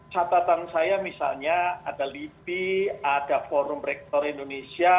catatan saya misalnya ada lipi ada forum rektor indonesia